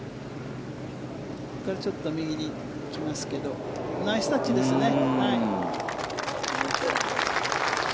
ここからちょっと右に来ますけどナイスタッチですね。